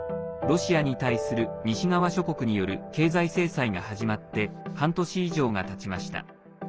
ロシアに対する西側諸国による経済制裁が始まって半年以上がたちました。